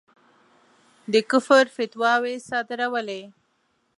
د کُفر فتواوې صادرولې.